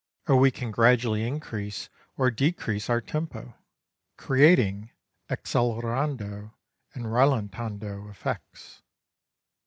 Or we can gradually increase or decrease our tempo, creating accelerando and rallentando effects.